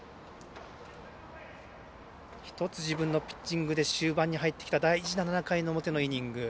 １つ自分のピッチングで終盤に入ってきた大事な７回の表のイニング。